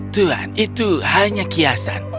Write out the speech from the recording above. tuan itu hanya kiasan